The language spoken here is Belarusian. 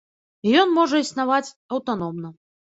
І ён можа існаваць аўтаномна.